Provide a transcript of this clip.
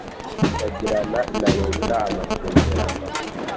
bagirana na leta amasezerano